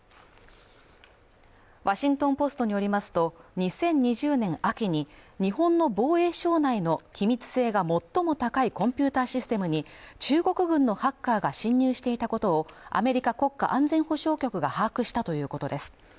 「ワシントン・ポスト」によりますと２０２０年秋に日本の防衛省内の機密性が最も高いコンピューターシステムに中国軍のハッカーが侵入していたことをアメリカ国家安全保障局が把握したということです